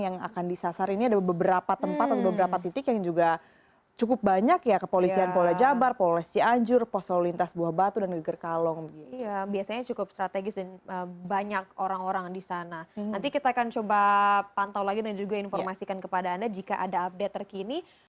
nanti kita akan coba pantau lagi dan juga informasikan kepada anda jika ada update terkini